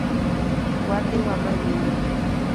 Wadhi wamany yien